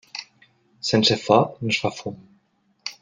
Sense foc no es fa fum.